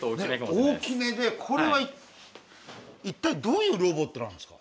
大きめでこれは一体どういうロボットなんですか？